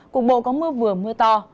cục bộ có mưa vừa mưa to